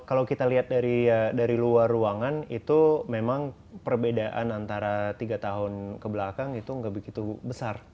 kalau kita lihat dari luar ruangan itu memang perbedaan antara tiga tahun kebelakang itu nggak begitu besar